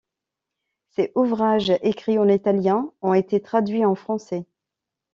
Ses ouvrages écrits en italien, ont été traduits en français.